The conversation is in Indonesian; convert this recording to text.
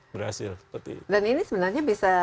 berhasil dan ini sebenarnya bisa